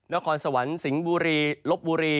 นครสวรรค์สิงห์บุรีลบบุรี